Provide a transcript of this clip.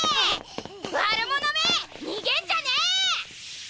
悪者め逃げんじゃねえ！